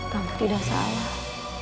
tentu tidak salah